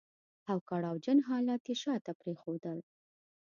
او کړاو جن حالات يې شاته پرېښودل.